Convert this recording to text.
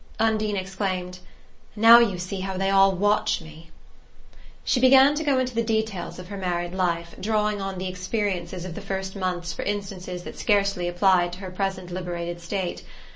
Undine exclaimed: "Now you see how they all watch me!" She began to go into the details of her married life, drawing on the experiences of the first months for instances that scarcely applied to her present liberated state.